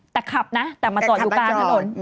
แต่ขับนะแต่มาจอดอยู่กลางถนน